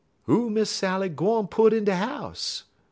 "Who Miss Sally gwine put in de house?"